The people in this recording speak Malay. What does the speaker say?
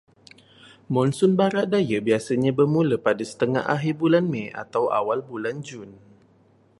Monsun barat daya biasanya bermula pada setengah terakhir bulan Mei atau awal bulan Jun.